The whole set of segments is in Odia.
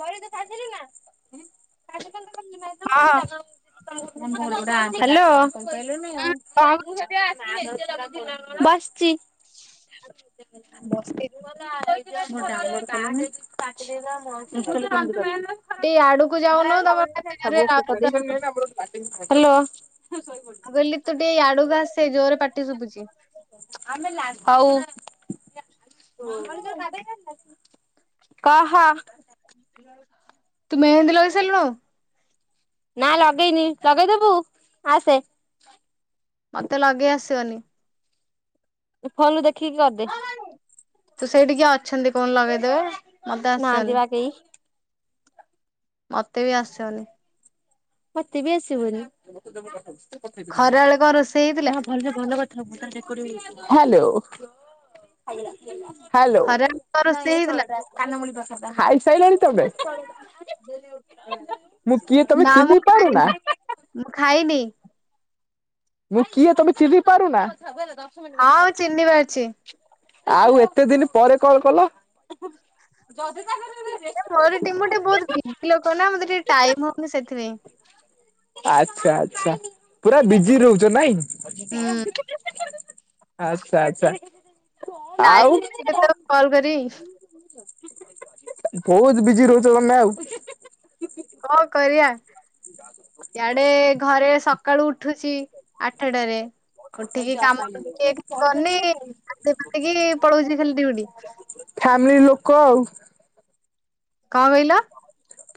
କରିତ ସାରିଥିଲି ନା [unintelligible] ହଁ [unintelligible] ହାଲୋ। ହୁଁ, କଣ କରୁଛୁ? [unintelligible] ଆଉ [unintelligible] ବସିଚି। [unintelligible] [unintelligible] [unintelligible] ଟିକେ ଆଡକୁ ଖରା ଯାଉନୁ ତମେ କେତେ ଜୋରେ ମୁଁ [unintelligible] ହାଲୋ। ଆଉ କହିଲି ତୁ ଟିକେ ୟାଡୁକୁ ଆସେ ଜୋରେ ପାଟି ଶୁଭୁଚି। ହଉ [unintelligible] କହ ତୁ ମେହେନ୍ଦି ଲଗେଇସାଇଲୁଣୁ? ନାଁ ଲଗେଇନି ଲଗେଇଦବୁ ଆସେ। ମତେ ଲଗେଇ ଆସିବନି। ଏ ଫୋନରୁ ଦେଖିକି କରଦେ। ତୁ ସେଇଠି କିଏ ଅଛନ୍ତି କୋହୁନୁ ଲଗେଇଦେବେ। ମତେ ଆସିବନି ନାହାନ୍ତି ବା କେଇ। ମତେ ବି ଆସିବନି। ମତେ ବି ଆସିବନି। ଖରାବେଳେ କଣ ରୋଷେଇ ହେଇଥିଲା? ନାଁ ଭଲରେ ଭଲ କଥା ହବୁ ତାର ରେକର୍ଡିଂ ହୋଉଚି। ହାଲୋ। ହାଲୋ। ଖରାବେଳେ କଣ ରୋଷେଇ ହେଇଥିଲା? ଖାଇ ସାଇଲଣି ତମେ? ମୁଁ କିଏ ତମେ ନାଁ ଚିହ୍ନି ମୁଁ ପାରୁନା ମୁଁ ଖାଇ ତିଲି ମୁଁ କିଏ ତମେ ଚିିହ୍ନି ପାରୁନା? ହଁ ଚିହ୍ନି ପାରଚି। ଆଉ ଏତେ ଦିନ ପରେ କଲ୍ କଲ? ମୋର ଟି ମୁଁ ଟିକେ ବୋହୁତ ବିଜି ଲୋକ ନାଁ ମତେ ଟିକେ ଟାଇମ ହଉନି ସେଥିପାଇଁ। ଛା ଆଚ୍ଛା ପୁରା ବିଜି ରହୁ ଚୁ ନାଇଁ? ହୁଁ [inaudible] ଆଚ୍ଛା ଆଚ୍ଛା। ଆଉ [unintelligible] କଲ କରି [unintelligible] ବୋହୁତ ବିଜି ରହୁଚ ତମେ ଆଉ। କଣ କରିବା ଇଆଡେ ଘରେ ସକାଳୁ ଉଠୁଚି। ଆଠଟାରେ। [unintelligible] ଉଠିକି କାମ ଟିକେ କିଛି କରୁନି ଗାଧେଇ ପାଧେଇକି ପଳଉଛି ଖାଲି ଡ୍ୟୁଟି ଫ୍ୟାମିଲି ଲୋକ ଆଉ କଁ କହିଲୁ?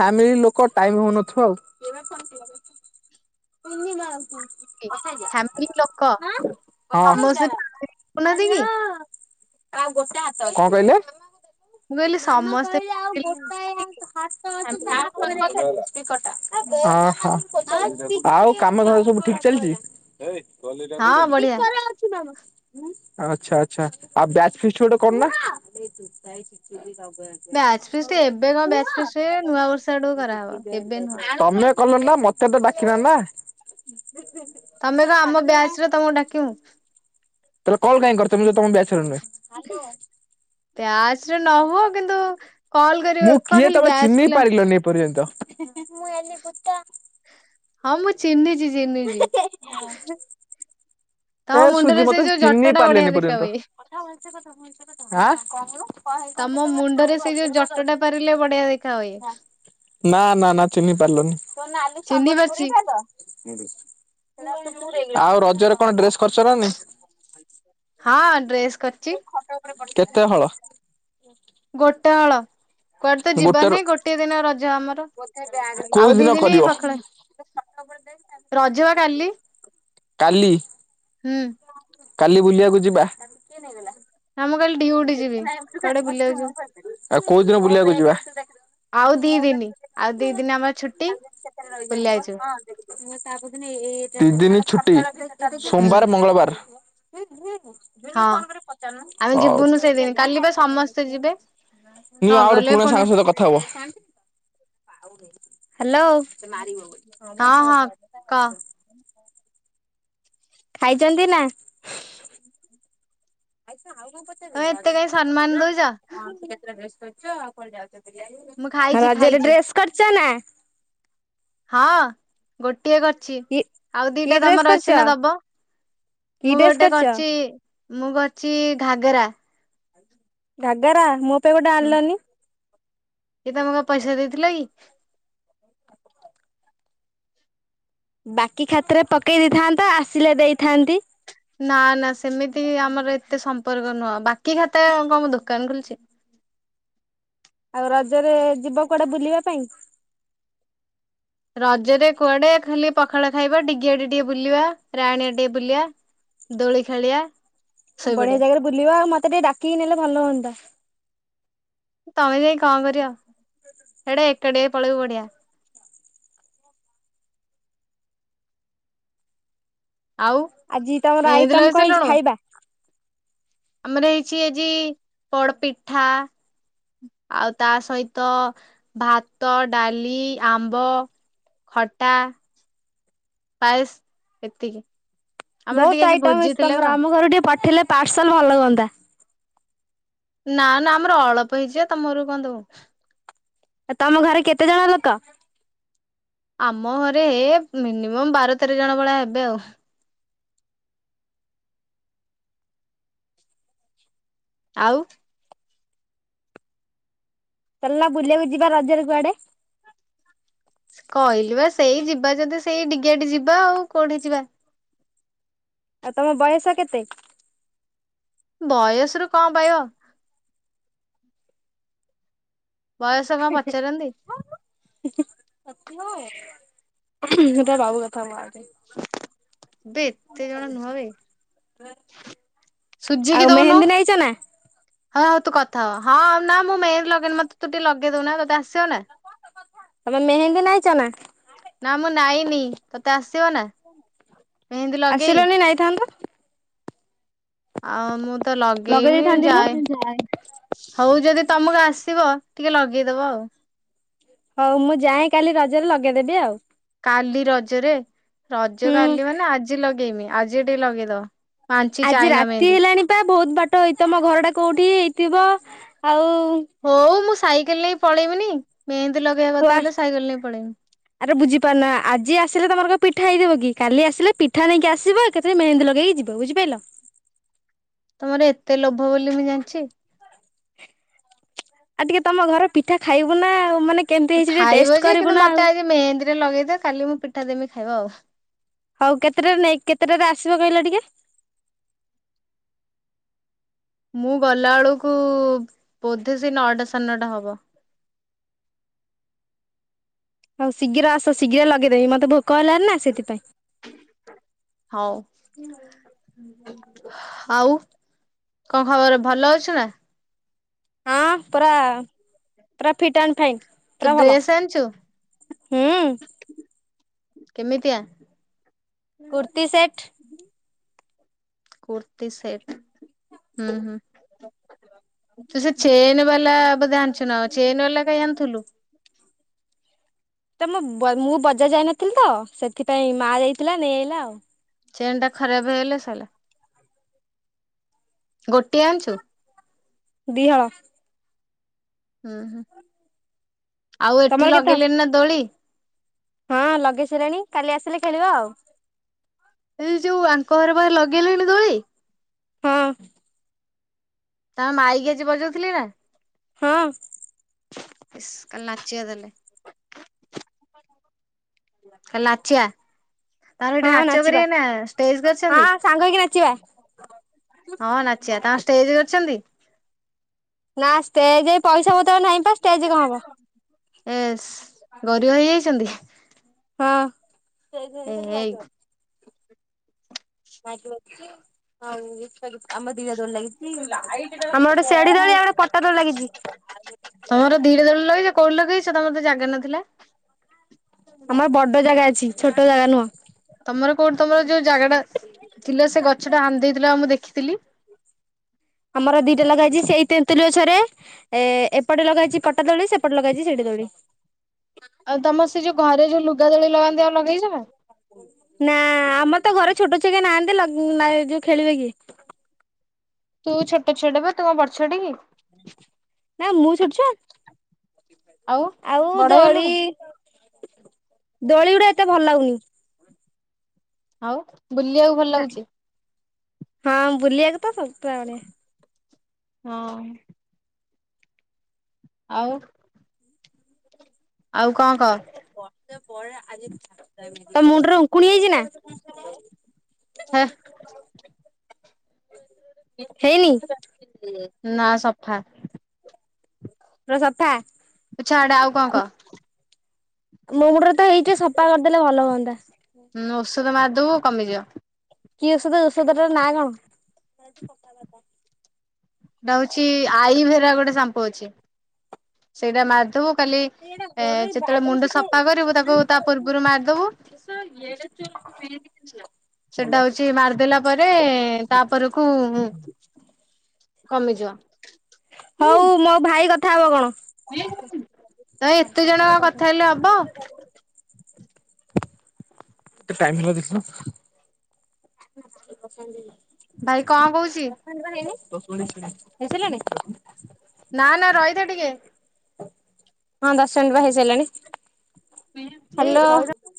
ଫାମିଲି ଲୋକ ଟାଇମ ହୋଉନଥିବ ଆଉ। ଟୁନି ମାଉସୀ। ଫ୍ୟାମିଲି ଲୋକ ହଁ କଣ ସମସ୍ତେ [unintelligible] କି ଆଉ ଗୋଟେ ହାତ, କଣ କହିଲେ? ମୁଁ କହିଲି ମାମା ସମସ୍ତେ କହିଲେ ଆଉ ଫ୍ୟାମିଲି ଗୋଟାଏ ହଉନାହାନ୍ତି କି ହାତ ଅଛି ତା ଫ୍ୟାମିଲି ପରେ ଲୋକ ଯାଇ [unintelligible] ଓହୋ [unintelligible] ଆଉ, କାମ ଧନ୍ଦା ସବୁ ଠିକ ଚାଲିଛି? ହଁ [unintelligible] ବଢିଆ ଭିତରେ ଅଛି ମାମା ଆଚ୍ଛା, ଆଚ୍ଛା ଆଉ ବ୍ୟାଚ ଫିଷ୍ଟ ଗୋଟେ କରନା? ବ୍ୟାଜ ଫିସ୍ ଟ, ଏବେ କଣ ବ୍ୟାଜ ଫିସ୍ [unintelligible] ନୂଆ ବର୍ଷ ଆଡୁ କରାହବ। ଏବେ ନୁହଁ। କ [unintelligible] [unintelligible] ନା ତମେ କ ଆମ ବ୍ୟାଚ ରେ, ତମକୁ ଡାକିବୁ? [unintelligible] ତମେ [unintelligible] ନୁହେଁ। [unintelligible] ନ, ହୁଅ କିନ୍ତୁ, କଲ କରି ମୁଁ କିଏ, ତମେ ଚିହ୍ନି ପାରିଲନି? [unintelligible] ନ୍ତ ମୁଁ ଏଲି [inaudible] ଚିହ୍ନିଚି ଚିହ୍ନଚି ଏ ସୁଜି, ମତେ ଚିହ୍ନି ବଢିଆ ପାରିଲେନି ଦେଖା ପର୍ଯ୍ୟନ୍ତ ହୁଏ। [unintelligible] କଣ ତମ ମୁଣ୍ଡରେ ସେଇ ଯୋଉ [unintelligible] ଜଟ ଟା ପାରିଲେ ବଢିଆ ଦେଖା ହୁଏ। ନା, ନା, ନା ଚିନ୍ହି ପାରିଲନି ଚିହ୍ନି ପାରୁଛି [unintelligible] [inaudible] ଆଉ ରଜରେ କଣ ଡ୍ରେସ କରୁଚ ନା ହଁ ଡ୍ରେସ କରିଛି ନାଇଁ କେତେ ହଳ? ଗୋଟେ ହଳ। କୁଆଡେ ତ ଯିବାର ଗୋଟେରୁ ନାଇଁ। ଗୋଟିଏ ଦିନ ରଜ ଆମର। କୋଉ ଆଉ ଦିଇ ଦିନ ଦିନି କରିବ [unintelligible] ରଜ ବା କାଲି। କାଲି? ହୁଁ। କାଲି ବୁଲିବାକୁ ଯିବା? ନା ମୁଁ କାଲି ଡିଉଟି ଯିବି, କୁଆଡେ ବୁଲିବାକୁ ଯିବି। ଆଉ କୋଉ ଦୀନ ବୁଲିବାକୁ ଯିବା? [unintelligible] ଦି ଦିନି ଆଉ ଦି ଦିନି ଆମର ଛୁଟି ମୁଁ ତାପର ବୁଲିବାକୁ ଯିବୁ ଦୀନ ଦିଇ ଦିନି ଛୁଟି। ହୁଁ ସୋମବାର, ମଙ୍ଗଳବାର। ହୁଁ ହୁଁ। [unintelligible] ଝୁନି କି ହଁ ଫୋନ୍ କରିକି ପଚାରୁନୁ। ଆମେ ଯିବୁନୁ ହୋଉ, ସେଇଦିନ କାଲି ବା ସମସ୍ତେ ଯିବେ ନିଅ ଆଉ ଗୋଟେ ନଗଲେ ପୁରୁଣା ପୁଣି ସାଙ୍ଗ ସହିତ କଥା ହବ। ହ୍ୟାଲୋ। ସେ ମାରିିବ [unintelligible] ହଁ ଭଲସେ କଥା [inaudible] ଖାଇଚନ୍ତି ନା? ଏ ଆଉ କଣ ତମେ ପଚାରିବେ ଏତେ କାହିଁ ସମ୍ମାନ ଦଉଛ [unintelligible] ତଛ ଆଉ କୁଆଡେ ଯାଉଚ? ମୁଁ ଖାଇଛି ରଜରେ ଖାଇଛି। ଡ୍ରେସ୍ କରିଚ ନା? ହଁ ଗୋ ଟିଏ କରିଛି କି ଆଉ କି ଦିଟା ଡ୍ରେସ୍ ତମର କରିଛ ଅଛି ନା ଦବ। କି ମୁଁ ଡ୍ରେସ୍ ଗୋଟେ କରିଛ କରିଚି। ମୁଁ କରିଛି ଘାଗରା। ଘାଗରା, ମୋ ତ ଗୋଟେ ଆଣିଲନି। ଏ ତୋମେ କଣ ପଇସା ଦେଇ ଥିଲ କି? ବାକି ଖାତାରେ ପକେଇ ଦେଇଥାନ୍ତ ଆସିଲେ ଦେଇଥାନ୍ତି। ରେ ଏତେ ସମ୍ପର୍କ ନୁହଁ ବାକି ଖାତା କଣ ମୁଁ ଦୋକାନ ଖୋଲିଛି। ଆଉ ରଜରେ ଯିବ କୁଆଡେ ବୁଲିବା ପାଇଁ? ରଜରେ କୁଆଡେ ଖାଲି ପଖାଳ ଖାଇବା ଡିଗିଆଡେ ଟିକେ ବୁଲିବା। ରାଣୀଆ ଟିକେ ବୁଲିବା, ଦୋଳି ଖେଳିବା। ବଢିଆ ଶୋଇପଡିବା ଜାଗାରେ ବୁଲିବା ଆଉ ମା ତ ଟିକେ ଡାକିକି ନେଲେ ଭଲ ହଅନ୍ତା। ତୋମେ ଯାଇ କଣ କରିବ? ହେଟା ଏ ଏକାଟିଆ ପଳେଇବୁ ବଢିଆ। ଆଉ ଆଜି ତୋମର ମେହେନ୍ଦି ଆଇଟମ୍ ଲଗେଇ କଣ ହେଇଛି ସାରିଲୁଣୁ ଖାଇବା? ଆମର ହେଇଛି ଆଜି ପୋଡପିଠା ଆଉ ତା ସହିତ ଭାତ, ଡାଲି, ଆମ୍ବ, ଖଟା, ପାଏସ ଏତିକି। ଆମର ଟିକେ ବହୁତ ଆଜି ଆଇଟମ୍ ଭୋଜି ହେଇଚି ଥିଲା ତ ତୋମର, ଆମ ଘରକୁ ଟିକେ ପ ଥିଲେ ପାର୍ସଲ୍ ଭଲ ହୁଅନ୍ତା। ନା ନା ଆମର ଅଳପ ହେଇଚି ବା ତୋମ ଘରକୁ କଣ ଦବୁ। ଆ, ତୋମ ଘରେ କେତେ ଜଣ ଲୋକ? ଆମ ଘରେ ହେ ମିନିମମ୍ ବାର ତେର ଜଣ ଭଳିଆ ହେବେ ଆଉ। ଆଉ ଚାଲନା ବୁଲିବାକୁ ଯିବା ରଜରେ କୁଆଡେ। କହିଲି ବା ସେଇ ଯିବା ଯଦି ସେଇ ଡିଗେଟେ ଯିବା। ଆଉ କୋଉଠି କି ଯିବା। ଆଉ ତୋମ ବୟସ କେତେ? ବୟସରୁ କଣ ପାଇବ। ବୟସ କଣ ପଚାରନ୍ତି? ସେଟା ବାବୁ କଥା ମା ବେ ଏତେ ଜଣ ନୁହବେ ଆଉ ସୁଝିକି ଦଉନୁ। ମେହେନ୍ଦୀ ନାଇଚ ନା? ହଁ ହଉ ତୁ କଥା ହ ହଁ ନା ମୁଁ ମେହେନ୍ଦୀ ଲଗେଇନି ମତେ ତୁ ଟିକେ ଲଗେଇଦଉନା ତତେ ଆସ୍ ଶୁନେ ତମେ ମେହେନ୍ଦୀ ନାଇଚ ନା? ନା ମୁଁ ନାଇନି ତତେ ଆସିବ ନା ମେହେନ୍ଦୀ ଲଗେଇ? ଆସିଲନି ନାଇଥାନ୍ତ ଆଉ ମୁଁ ତ ଲଗେଇ ଲଗେଇନି ଦେଇଥାନ୍ତି ମୁଁ। ଯାଏ ହଉ ଯଦି ତମକୁ ଆସିବ ଟିକେ ଲଗେଇଦବ ଆଉ। ହଉ ମୁଁ ଯାଏ କାଲି ରଜରେ ଲଗେଇଦେବି ଆଉ। କାଲି ରଜରେ ରଜ ହୁଁ କାଲି ମାନେ ଆଜି ଲଗି ଗାଇମି ଆଜିଟି ଲଗେଇଦବ। ପାଞ୍ଚି ଆଜି ଚାଇନା ରାତି ମେହେନ୍ଦୀ ହେଲାଣି ପା ବହୁତ ବାଟ ହେଇ ତମ ଘର ଟା କୋଉଠି ହି? ଥିବ ଆଉ ହଉ ମୁଁ ସାଇ ଲେ ପଳେଇବିନି। ମେହେନ୍ଦୀ ଲଗେଇବା ହଉ କଥା ହେଲେ ସାଇକେଲ ନେଇ ପଳେଇମି ଆ ବୁଝି ପାରୁନା ଆଜି ଆସିଲେ ତମର କଁ ପିଠା ହେଇଯିବ? କାଲି ଆସିଲେ ପିଠା ନେଇକି ଆସିବ ଏକାଥରେ ମେହେନ୍ଦୀ ଲଗେଇକି ଯିବ ବୁଝିପାଇଲ। ତମର ଏତେ ଲୋଭ ବୋଲି ମୁଁ ଜାଣିଛି। ଆଉ ଟିକେ ତମ ଘର ପିଠା ଖାଇବୁ ନା ମାନେ କେମିତି ହେଇଛି ଟିକେ ଟେଷ୍ଟ ଖାଇବ ଯେ କରିବୁ କିନ୍ତୁ ନା ଆଉ। ମତେ ଆଜି ମେହେନ୍ଦୀରେ ଲଗେଇଦିଅ କାଲି ମୁଁ ପିଠା ଦେମି ଖାଇ ହେବ। ହଉ କେତେଟାରେ ନେଇ କେତେଟାରେ ଆସିବ କହିଲ ଟିକେ? ମୁଁ ଗଲା ବେଳକୁ ବୋଧେ ସେଇ ନଅଟା ସାନଟା ହବ। ହଉ ଶୀଘ୍ର ଆସ ଶୀଘ୍ର ଲଗେଇଦେବି ମତେ ଭୋକ୍ କଲାର ନା ସେଥିପାଇଁ ହଉ ଆଉ କଣ ଖବର ଭଲ ଅଛୁ ନା? ହଁ ପରା ପୁରା ଫିଟ୍ ଆଣ୍ଡ ଫାଇନ୍। ତୁ ପୁରା ଭଲ ଡ୍ରେସ ଆଣଚୁ? ହୁଁ କେମିତିଆ? କୁର୍ତ୍ତି ସେଟ୍। କୁର୍ତ୍ତି ସେଟ ହୁଁ ହୁଁ ତୁ ସେ ଚେନ ବାଲା ବୋଧେ ଆଣିଛୁ ନା ଚେନ ବାଲା କାଇଁ ଆଣୁଥୁଲୁ। ତମ ବ ମୁଁ ବଜାର ଯାଇନଥିଲି ତ ସେଥିପାଇଁ ମା ଯାଇଥିଲା ନେଇଆଇଲା ଆଉ। ଚେନ୍ ଟା ଖରାପ ହେଇଗଲେ ସଇଲା। ଗୋଟିଏ ଆଣିଛୁ? ଦିହଳ ହୁଁ ହୁଁ। ଆଉ ତମର ଏଠି କେତେ ଲଗେଇଲେଣିି ନା ଦୋଳି? ହଁ ଲଗେଇ ସାଇଲେଣି କାଲି ଆସିଲେ ଖେଳିବ ଆଉ। ଏଇ ଯୋଉ ଆଙ୍କ ଘରେ ପାଖରେ ଲଗେଇଲେଣି ଦୋଳି? ହଁ। ତାଙ୍କ ମାଇକି ଆଜି ବଜଉଥିଲେ ନା? ହଁ। ଇସ୍ କାଲି ନାଚିବା ତାହେଲେ? କାଲି ନାଚିଆ। ତାଙ୍କର ସେଠି ହଁ ନାଚ ନାଚିବା କରିବେ ନା ଷ୍ଟେଜ ହଁ କରିଛନ୍ତି ସାଙ୍ଗ ହେଇକି ନାଚିବା। ହଁ ନାଚିଆ ତାଙ୍କ ଷ୍ଟେଜ କରିଛନ୍ତି? ନା ଷ୍ଟେଜେ ପଇସା ପତର ନାହିଁ ଷ୍ଟେଜେ କଅଁ ହବ। ଏସ୍ ଗରିବ ହେଇଯାଇଛନ୍ତି। ହଁ। ଏ ହେଇ [unintelligible] ମାଇକି ବାଜୁଚି ଆଉ। [unintelligible] ଦୋଳି ଲାଗିଚିଇ ଆମର ଗୋଟେ ଶେଡି ଦୋଳି ଆଉ ଗୋଟେ ପଟା ଦୋଲି ଲାଗିଚି। [inaudible] କୋଉଟି ଲଗେଇଚ ତମର ତ ଜାଗା ନଥିଲା? ଆମର ବ [inaudible] ତମର କୋଉଟି ତମର ଯୋଉ ଜାଗା ଟା ଥିଲା ସେ ଗଛ ଟା ହାନିଦେଇଥିଲ ବା ମୁଁ ଦେଖି ତିଲି। ଆମର ଦିଟା ଲଗା ହୋଇଚି ସେଇ ତେନ୍ତୁତୁଲି ଗଛରେ। ଏ ଏପଟେ ଲଗା ହୋଇଚି ପଟା ଦୋଳି ସେପଟେ ଲଗା ହେଇଚି ସିଡି ଦୋଳି। ଆଉ ତମ ସେ ଯୋଉ ଘରେ ଯୋଉ ଲୁଗା ଦଳି ଲଗାନ୍ତି ଆଉ ଲଗେଇଚ ନା? ନା ଆମର ତ ଘରେ ଛୋଟ ଛୁଆ କେହି ନାହାନ୍ତି ଲଗ ଯୋଉ ଖେଳିବେ କିଏ? ତୁ ଛୋଟ ଛୁଆଟେ ବା ତୁମ କଁ ବଡ ଛୁଆଟେ କି? ନା ମୁଁ ଛୋଟ ଛୁଆଁ। [inaudible] ଆଉ ବଡ ଦୋଳି ହେଇଗଲୁଣୁ [inaudible] ଦୋଳି ଗୁଡା ଏତେ ଭଲ ଲାଗୁନି। ଆଉ? ବୁଲିବାକୁ ଭଲ ନା ଲାଗୁଚି? ହଁ ବୁଲିବାକୁ ତ। [unintelligible] ହଁ। ଆଉ ଆଉ କଅଁ କଅ? ର୍ଷେ ପରେ ଆଜି ତୋ ମୁଣ୍ଡରେ ଉଙ୍କୁଣି ହେଇଚି ନା? [inaudible] ହେ ହେଇନି [inaudible] ନା ସଫା। [inaudible] ର ସଫା। ଛାଆଡେ ଆଉ କଣ କହ? ମୋ ମୁଣ୍ଡ ରେ ହେଇଛି ସଫା କରିଦେଲେ ଭଲ ହୁଅତା। ବସ୍ ହୁଁ। ମାରଦବୁ କମିଯିବଅ। କିଏ ଔଷଧ ଓଷଧ ଟା ନାଁ କଣ? ଟା ହଉଛି ଆଈଭେରା ଗୋଟେ ସାମ୍ପୁ ଅଛି ସେଇଟା ମାର। ବୁ କାଲି ଯେତେବେଳେ ମୁଣ୍ଡ ସଫା କରିବୁ ତାକୁ ତା ପୂର୍ବରୁ ମାରିଦବୁ ସେଟା ହଉଛି ମାରିଦେଲା ପରେ ତାପରକୁ। କମିଯିବ। ହଉ ମୋ ଭାଇ କଥା ଉଠା ହେବ କଣ। ତ ଏତେ ଜଣଙ୍କ କଥା ହେଲେ ହବ? ଏତେ ଟାଇମ ହେଲା ଦେଖିଲ। ପସ ଭାଇ କଣ କହୁଛି ହେଇିଲାଣି। ନାନା ରୋହିତଟିକେ। ହଁ ଦଶ ଜଣ୍ ବା ହେଇସାରିଲାଣି। ହ୍ୟାଲୋ। ର